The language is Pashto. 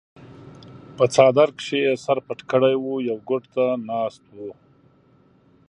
پۀ څادر کښې ئې سر پټ کړے وي يو ګوټ ته ناست وي